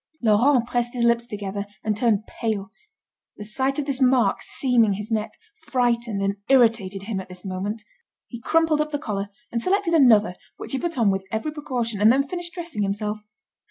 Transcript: Laurent pressed his lips together, and turned pale; the sight of this mark seaming his neck, frightened and irritated him at this moment. He crumpled up the collar, and selected another which he put on with every precaution, and then finished dressing himself.